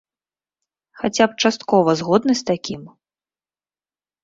Хаця б часткова згодны з такім?